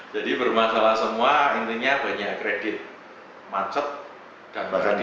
jadi bermasalah semua intinya banyak kredit mancet dan berhenti